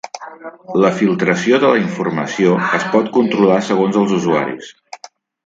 La filtració de la informació es pot controlar segons els usuaris.